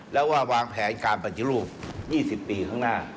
แล้วว่าวางแผนการปฏิรูป๒๐ปีข้างหน้า